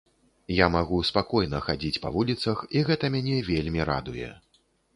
Я магу спакойна хадзіць па вуліцах, і гэта мяне вельмі радуе.